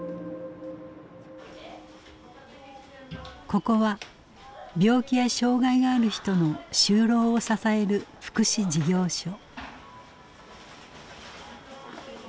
ここは病気や障害がある人の就労を支える福祉事業所。